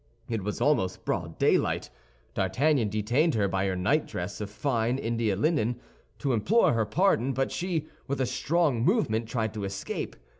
It was almost broad daylight. D'Artagnan detained her by her night dress of fine India linen, to implore her pardon; but she, with a strong movement, tried to escape.